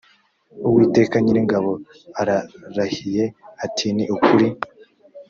uwiteka nyiringabo ararahiye ati ni ukuri